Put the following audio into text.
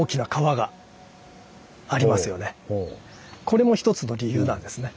これも一つの理由なんですね。